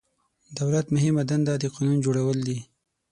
دولت مهمه دنده د قانون جوړول دي.